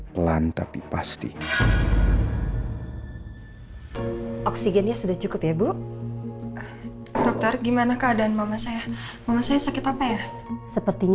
pelan tapi pasti